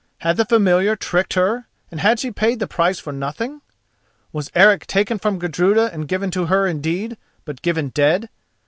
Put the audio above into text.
Had the Familiar tricked her and had she paid the price for nothing? Was Eric taken from Gudruda and given to her indeed—but given dead?